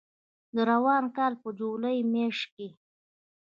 د روان کال په جولای په میاشت کې